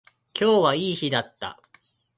今日はいい日だった